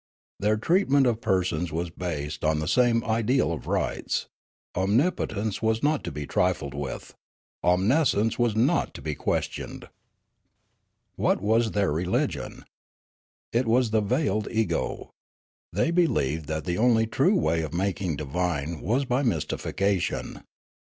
Their treatment of persons was based on the same ideal of rights ; om nipotence was not to be trifled with ; omniscience was not to be questioned. What was their religion ? It was the Veiled Ego. They believed that the only true way of making divine was by mystification.